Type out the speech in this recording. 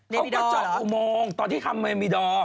เขาก็เจาะอุโมงตอนที่ทำเมมีดอร์